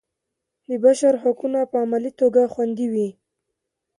د بشر حقونه په عملي توګه خوندي وي.